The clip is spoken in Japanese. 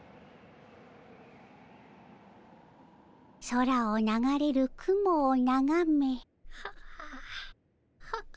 空を流れる雲をながめ。